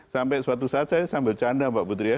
sampai suatu saat saya sambil canda mbak putri ya